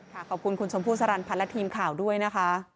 ขอบคุณคุณชมพู่สรรพัฒน์และทีมข่าวด้วยนะคะ